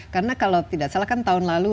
karena kalau tidak salah kan tahun lalu